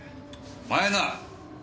お前な！